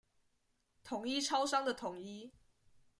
統一超商的統一